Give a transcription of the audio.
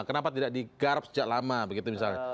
kenapa tidak digarap sejak lama